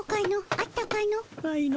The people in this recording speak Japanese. あったかの？